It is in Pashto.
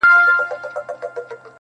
په تورو سترگو کي کمال د زلفو مه راوله,